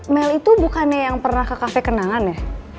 mel itu bukannya yang pernah ke cafe kenangan ya